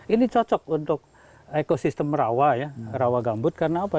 ini cocok untuk ekosistem rawa ya rawa gambut karena apa